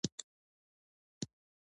• شتمن سړی باید عاجز وي.